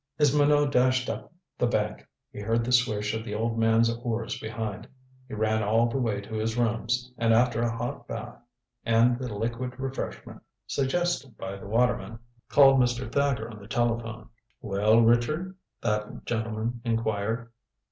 As Minot dashed up the bank, he heard the swish of the old man's oars behind. He ran all the way to his rooms, and after a hot bath and the liquid refreshment suggested by the waterman, called Mr. Thacker on the telephone. "Well, Richard?" that gentleman inquired.